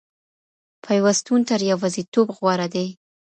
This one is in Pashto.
پيوستون تر يوازيتوب غوره دی.